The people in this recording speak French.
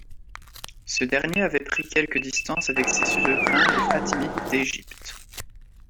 Ce dernier avait pris quelques distances avec ses suzerains les Fatimides d'Égypte.